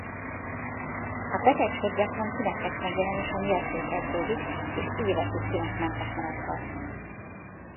A betegség gyakran tünetek megjelenése nélkül kezdődik és évekig tünetmentes maradhat.